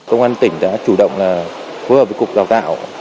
công an tỉnh đã chủ động phối hợp với cục đào tạo